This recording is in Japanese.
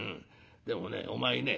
でもねお前ね